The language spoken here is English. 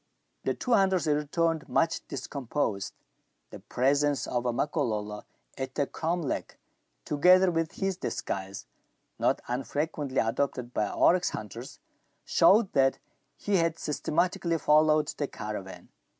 The two hunters returned, much discomposed. The presence of a Makololo at the cromlech, together with his disguise, not unfrequently adopted by oryx hunters, showed that he had systematically followed the caravan.